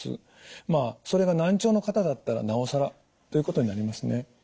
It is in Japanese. まあそれが難聴の方だったらなおさらということになりますね。